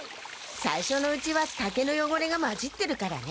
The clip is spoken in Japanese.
さいしょのうちは竹のよごれがまじってるからね。